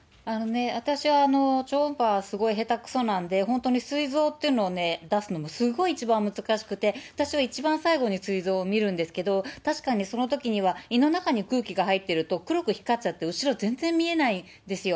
私は、超音波はすごい下手くそなんで、本当にすい臓っていうの、出すのが一番難しくて、私は一番最後にすい臓を見るんですけど、確かにそのときには胃の中に空気が入ってると黒く光っちゃって後ろ全然見えないんですよ。